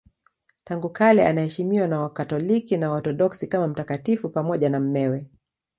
Tangu kale anaheshimiwa na Wakatoliki na Waorthodoksi kama mtakatifu pamoja na mumewe.